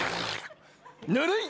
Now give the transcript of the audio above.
ぬるい。